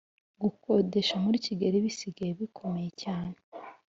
gukodesha muri kigali bisigaye bikomeye cyane